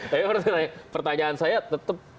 tapi menurut saya pertanyaan saya tetap